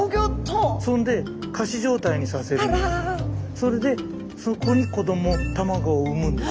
それでそこに子ども卵を産むんです。